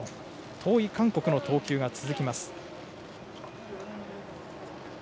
遠い韓国の投球が続きます。